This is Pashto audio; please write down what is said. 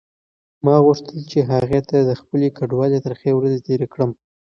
ما غوښتل چې هغې ته د خپلې کډوالۍ ترخې ورځې تېرې کړم.